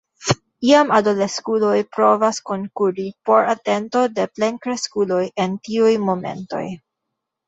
Iam adoleskuloj provas konkuri por atento de plenkreskuloj en tiuj momentoj.